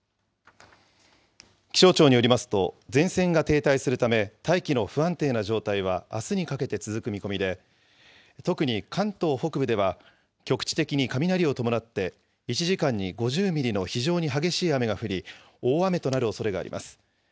気象庁によりますと、前線が停滞するため、大気の不安定な状態はあすにかけて続く見込みで、特に関東北部では、局地的に雷を伴って、１時間に５０ミリの非常に激しい雨が降り、大雨となるおそれがあります。